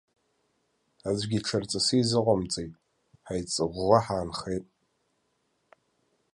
Аӡәгьы ҽырҵысы изыҟамҵеит, ҳаиҵаӷәӷәа ҳаанхеит.